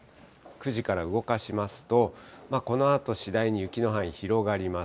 ９時から動かしますと、このあと次第に雪の範囲、広がります。